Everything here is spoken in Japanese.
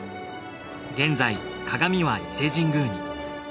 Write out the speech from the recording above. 現在鏡は伊勢神宮に。